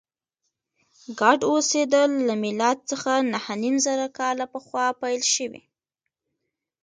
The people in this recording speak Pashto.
ګډ اوسېدل له میلاد څخه نهه نیم زره کاله پخوا پیل شوي.